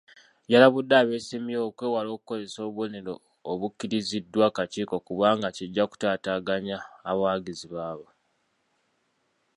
Yalabudde abeesimbyewo okwewala okukozesa obubonero obukkiriziddwa akakiiko kubanga kijja kutataaganya abawagizi baabwe.